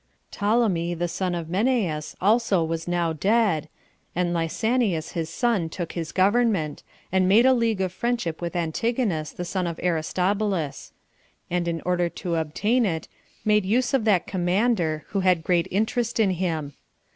Ptolemy, the son of Menneus, also was now dead, and Lysanias his son took his government, and made a league of friendship with Antigonus, the son of Aristobulus; and in order to obtain it, made use of that commander, who had great interest in him.